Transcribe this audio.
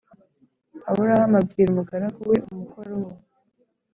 Aburahamu abwira umugaragu we umukuru wo